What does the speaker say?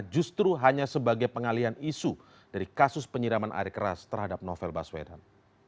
justru hanya sebagai pengalian isu dari kasus penyiraman air keras terhadap novel baswedan